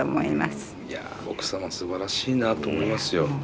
いや奥様すばらしいなと思いますよ。